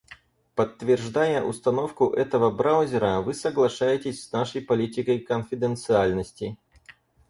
Подтверждая установку этого браузера, вы соглашаетесь с нашей политикой конфиденциальности.